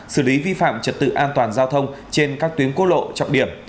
xử lý vi phạm trật tự an toàn giao thông trên các tuyến quốc lộ trọng điểm